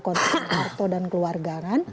konten harto dan keluarga